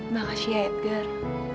makasih ya edgar